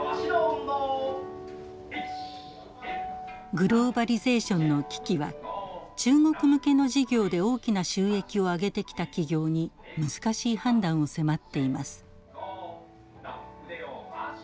グローバリゼーションの危機は中国向けの事業で大きな収益をあげてきた企業に難しい判断を迫っています。